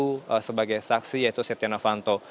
dan satu sebagai saksi yaitu setia navanto